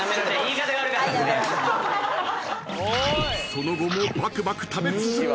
［その後もバクバク食べ続け］